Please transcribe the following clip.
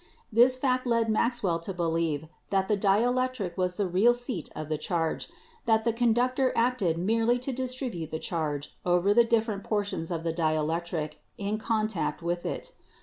This fact led Maxwell to believe that the dielectric was the real seat of the charge, that the conductor acted merely to distribute the charge over the different portions of the dielectric in contact with it.